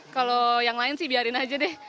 kalau yang lain sih biarin aja deh